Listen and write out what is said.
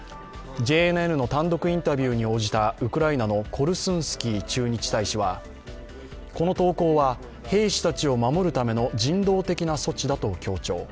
ＪＮＮの単独インタビューに応じたウクライナのコルスンスキー駐日大使は、この投降は兵士たちを守るための人道的な措置だと強調。